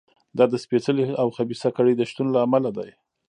دا د سپېڅلې او خبیثه کړۍ د شتون له امله دی.